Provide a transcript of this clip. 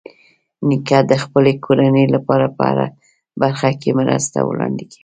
نیکه د خپلې کورنۍ لپاره په هره برخه کې مرستې وړاندې کوي.